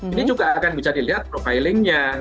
ini juga akan bisa dilihat profilingnya